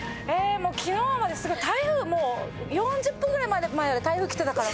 昨日まですごい台風もう４０分ぐらい前まで台風来てたからさ。